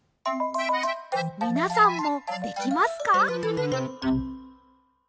みなさんもできますか？